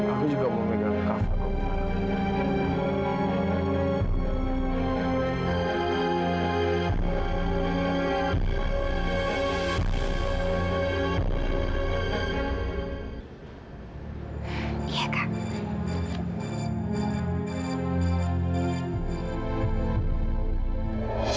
aku juga mau megang kafa